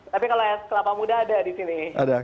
tapi kalau es kelapa muda ada di sini